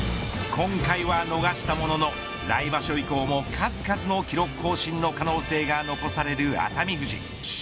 今回は逃したものの来場所以降も数々の記録更新の可能性が残される熱海富士。